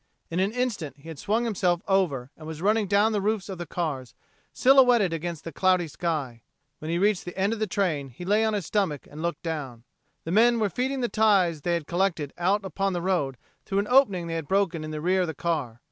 In an instant he had swung himself over and was running down the roofs of the cars, silhouetted against the cloudy sky. When he reached the end of the train he lay on his stomach and looked down. The men were feeding the ties they had collected out upon the road through an opening they had broken in the rear of the car.